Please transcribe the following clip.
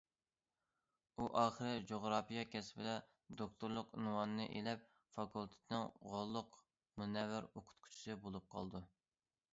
ئۇ ئاخىرى جۇغراپىيە كەسپىدە دوكتورلۇق ئۇنۋانىنى ئېلىپ فاكۇلتېتنىڭ غوللۇق مۇنەۋۋەر ئوقۇتقۇچىسى بولۇپ قالىدۇ.